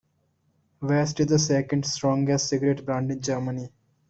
West is the second-strongest cigarette brand in Germany.